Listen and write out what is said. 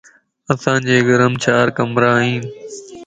اسان جي گھرم چار ڪمرا ان